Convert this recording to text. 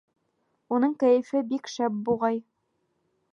Уның кәйефе бик шәп, буғай.